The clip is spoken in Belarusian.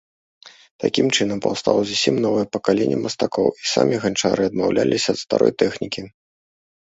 Такім чынам, паўстала зусім новае пакаленне мастакоў, і самі ганчары адмаўляліся ад старой тэхнікі.